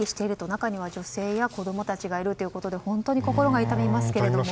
中には女性や子供たちがいるということで本当に心が痛みますけれども。